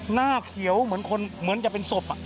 หน้าเขียวเหมือนจะเป็นศพ